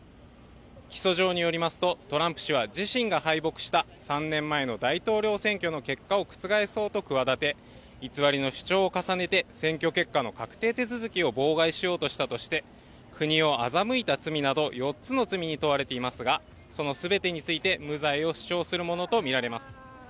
起訴状によりますとトランプ氏は自身が敗北した３年前の大統領選挙の結果を覆そうと企て偽りの主張を重ねて選挙結果の確定手続を妨害しようとしたとして、国を欺いた罪など４つの罪に問われていますが、その全てについて無罪を主張するものとみられます。